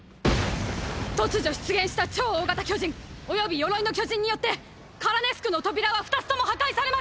突如出現した「超大型巨人」および「鎧の巨人」によってカラネス区の扉は二つとも破壊されました！！